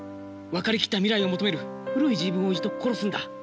分かりきった未来を求める古い自分を一度殺すんだ。